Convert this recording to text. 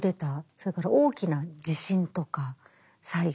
それから大きな地震とか災害。